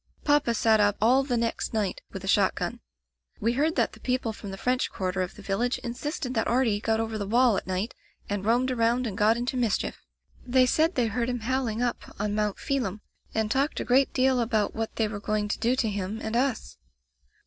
Papa sat up all the next night with a shot gun. Wc heard that the people from the French quarter of the village insisted that Artie got over the wall at night and roamed around and got into mischief. They said they heard him howling up on Mount Phelim, and talked a great deal about what they were going to do to him and us.